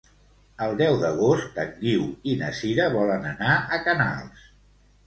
El deu d'agost en Guiu i na Sira volen anar a Canals.